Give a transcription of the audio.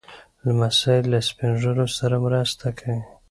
لمسی له سپين ږیرو سره مرسته کوي.